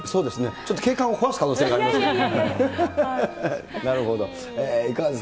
ちょっと景観を壊す可能性がありますけど。